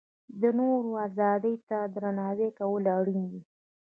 د نورو ازادۍ ته درناوی کول اړین دي.